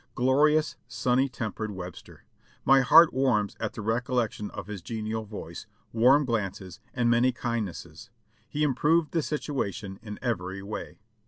Glorious, sunny tempered Webster! my heart warms at the recollection of his genial voice, warm glances and many kindnesses ; he improved the situation in every way.